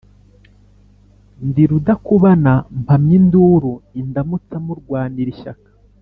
Ndi rudakubana mpamya induru indamutsa murwanira ishyaka,